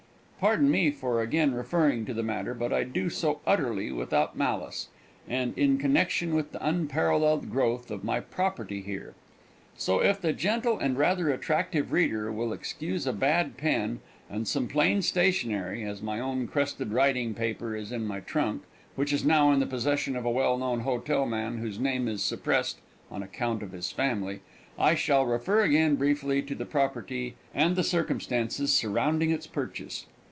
Pardon me for again referring to the matter, but I do so utterly without malice, and in connection with the unparalleled growth of my property here. So if the gentle and rather attractive reader will excuse a bad pen, and some plain stationery, as my own crested writing paper is in my trunk, which is now in the possession of a well known hotel man whose name is suppressed on account of his family, I shall refer again briefly to the property and the circumstances surrounding its purchase.